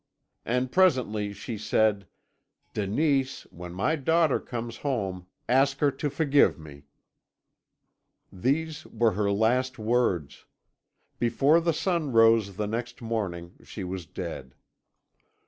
And presently she said: 'Denise, when my daughter comes home ask her to forgive me.' "These were her last words. Before the sun rose the next morning she was dead. "Mr.